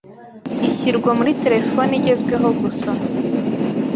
ishyirwa muri telefone igezweho gusa